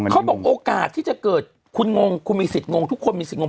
เขาบอกโอกาสที่จะเกิดคุณงงคุณมีสิทธิงทุกคนมีสิทธงง